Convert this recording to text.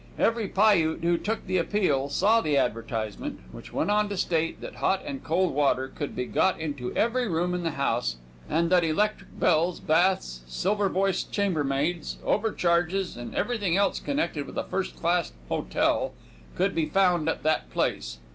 Every Piute who took the Appeal saw the advertisement, which went on to state that hot and cold water could be got into every room in the house, and that electric bells, baths, silver voiced chambermaids, over charges, and everything else connected with a first class hotel, could be found at that place.